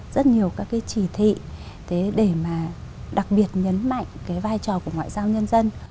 rất nhiều các cái chỉ thị để mà đặc biệt nhấn mạnh cái vai trò của ngoại giao nhân dân